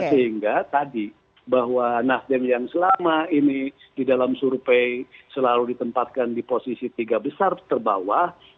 sehingga tadi bahwa nasdem yang selama ini di dalam survei selalu ditempatkan di posisi tiga besar terbawah